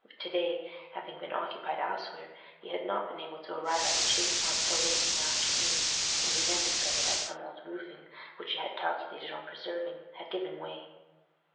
But to day, having been occupied elsewhere, he had not been able to arrive at the Chase Farm till late in the afternoon, and he then discovered that some old roofing, which he had calculated on preserving, had given way.